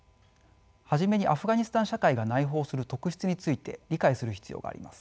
初めにアフガニスタン社会が内包する特質について理解する必要があります。